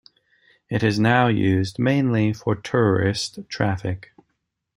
It is now used mainly for tourist traffic.